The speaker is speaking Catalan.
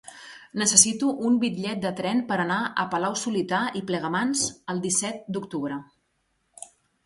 Necessito un bitllet de tren per anar a Palau-solità i Plegamans el disset d'octubre.